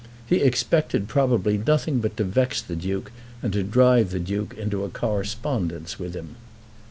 He expected probably nothing but to vex the Duke, and to drive the Duke into a correspondence with him.